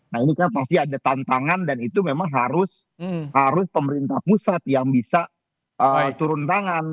nah ini kan pasti ada tantangan dan itu memang harus pemerintah pusat yang bisa turun tangan